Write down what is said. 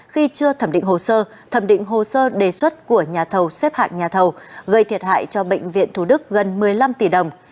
khi chưa thẩm định hồ sơ thẩm định hồ sơ đề xuất của nhà thầu xếp hạng nhà thầu gây thiệt hại cho bệnh viện thủ đức gần một mươi năm tỷ đồng